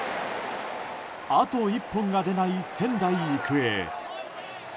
あと１本が出ない仙台育英。